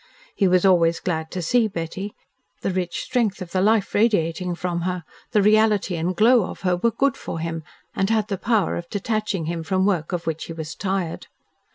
He was always glad to see Betty. The rich strength of the life radiating from her, the reality and glow of her were good for him and had the power of detaching him from work of which he was tired.